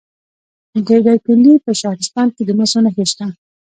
د دایکنډي په شهرستان کې د مسو نښې شته.